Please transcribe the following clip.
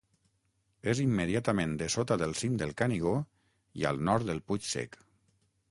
És immediatament dessota del cim del Canigó i al nord del Puig Sec.